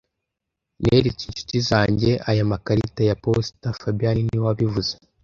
Neretse inshuti zanjye aya makarita ya posita fabien niwe wabivuze